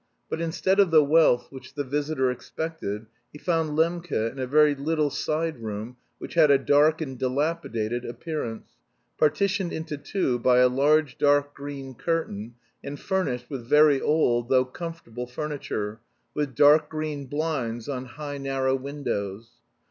But instead of the wealth which the visitor expected, he found Lembke in a very little side room, which had a dark and dilapidated appearance, partitioned into two by a large dark green curtain, and furnished with very old though comfortable furniture, with dark green blinds on high narrow windows.